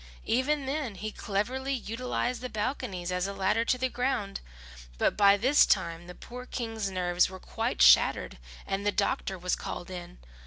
Even then, he cleverly utilized the balconies as a ladder to the ground; but by this time the poor King's nerves were quite shattered and the doctor was called in.